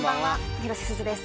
広瀬すずです。